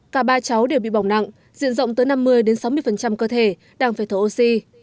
cả ba cháu đều bị bỏng nặng diện rộng tới năm mươi sáu mươi cơ thể đang phải thở oxy